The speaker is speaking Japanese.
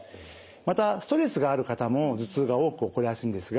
またストレスがある方も頭痛が多く起こりやすいんですが。